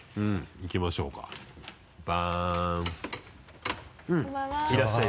いきましょうかバン。